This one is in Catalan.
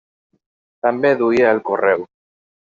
També duia el correu.